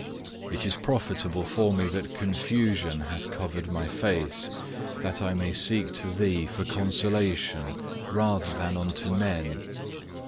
It is profitable for me that confusion hath covered my face, that I may seek to Thee for consolation rather than unto men.